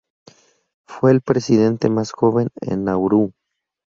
Fue el presidente más joven en Nauru.